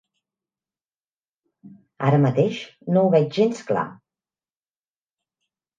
Ara mateix no ho veig gens clar.